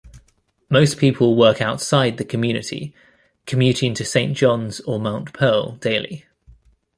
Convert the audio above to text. Most people work outside the community, commuting to Saint John's or Mount Pearl, daily.